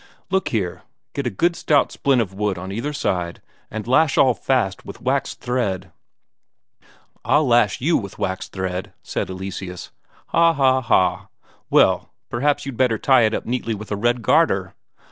"Look here, get a good stout splint of wood on either side, and lash all fast with waxed thread...." "I'll lash you with waxed thread," said Eleseus. "Ha ha ha! Well, perhaps you'd rather tie it up neatly with a red garter?"